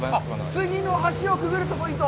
次の橋をくぐるとポイント？